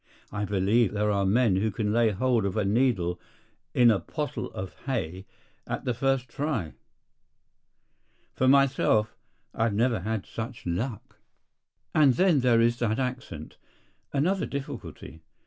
I believe there are men who can lay hold of a needle in a pottle of hay at the first try. For myself, I have never had such luck. And then there is that accent. Another difficulty.